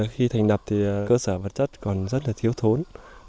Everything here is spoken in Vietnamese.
khi thành lập thì cơ sở vật chất còn rất là thiếu thốn